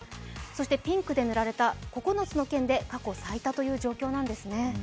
そしてピンクで塗られた９つの県で過去最多という状況なんですね。